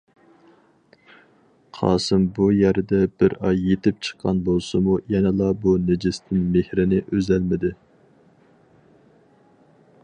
قاسىم بۇ يەردە بىر ئاي يېتىپ چىققان بولسىمۇ يەنىلا بۇ نىجىستىن مېھرىنى ئۈزەلمىدى.